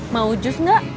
mau jus gak